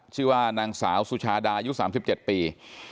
ชื่อว่านางสาวสุชาดายุทธ์สามสิบเจ็ดปี